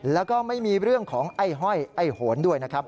แล้วก็ไม่มีเรื่องของไอ้ห้อยไอ้โหนด้วยนะครับ